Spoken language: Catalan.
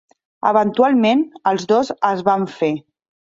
Eventualment els dos es van fer.